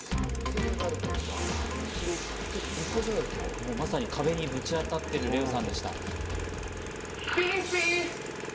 もうまさに壁にぶち当たっているレオさんでした。